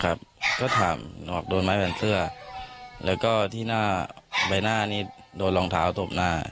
ครับก็ถามออกโดนไม้แบนเสื้อแล้วก็ที่หน้าใบหน้านี้โดนรองเท้าตบหน้า